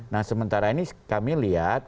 nah sementara ini kami lihat